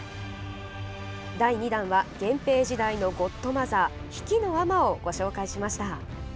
第２弾は源平時代のゴッドマザー比企尼をご紹介しました。